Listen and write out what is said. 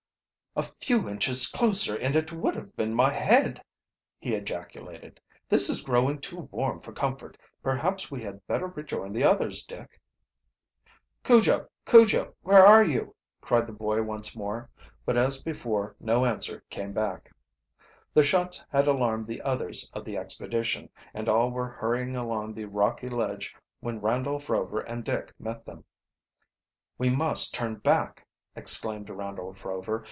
"A few inches closer and it would have been my head!" he ejaculated. "This is growing too warm for comfort. Perhaps we had better rejoin the others, Dick." "Cujo! Cujo! Where are you?" cried the boy once more. But as before no answer came back. The shots had alarmed the others of the expedition, and all were hurrying along the rocky ledge when Randolph Rover and Dick met them. "We must turn back!" exclaimed Randolph Rover.